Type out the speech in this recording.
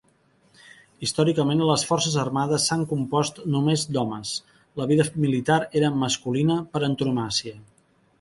Històricament les Forces Armades s'han compost només d'homes: la vida militar era masculina per antonomàsia.